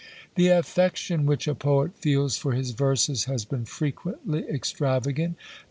The affection which a poet feels for his verses has been frequently extravagant.